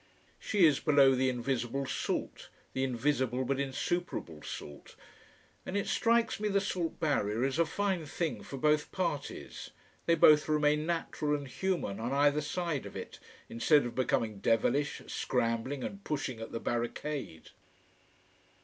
She is below the invisible salt, the invisible but insuperable salt. And it strikes me the salt barrier is a fine thing for both parties: they both remain natural and human on either side of it, instead of becoming devilish, scrambling and pushing at the barricade.